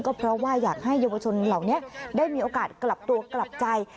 ก็เพราะว่าอยากให้เยาวชนเหล่านี้ได้มีโอกาสกลับตัวกลับใจ